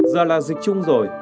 giờ là dịch chung rồi